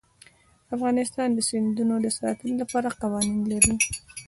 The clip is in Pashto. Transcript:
افغانستان د سیندونه د ساتنې لپاره قوانین لري.